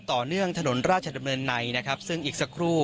ต่อเนื่องถนนราชดำเนินในซึ่งอีกสักครู่